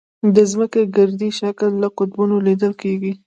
د ځمکې ګردي شکل له قطبونو لیدل کېږي.